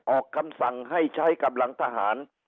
ออกคำสั่งให้ใช้กำลังทหาร